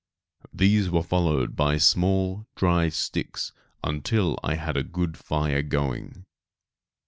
These were followed by small dry sticks until I had a good fire going.